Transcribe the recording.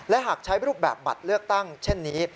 และหากใช้รูปแบบบัตรเลือกตั้งเช่นนี้